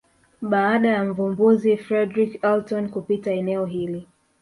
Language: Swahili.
Baada ya Mvumbuzi Fredrick Elton kupita eneo hili